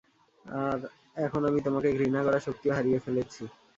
আর এখন আমি তোমাকে ঘৃণা করার শক্তিও হারিয়ে ফেলেছি।